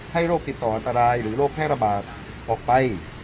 โรคติดต่ออันตรายหรือโรคแพร่ระบาดออกไป